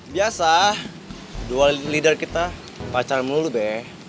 biasa dua leader kita pacar mulu be